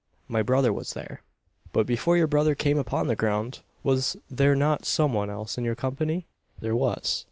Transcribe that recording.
My brother was there." "But before your brother came upon the ground, was there not some one else in your company?" "There was."